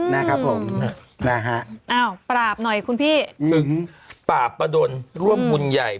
นะครับผมนะฮะอ้าวปราบหน่อยคุณพี่ถึงปราบประดนร่วมบุญใหญ่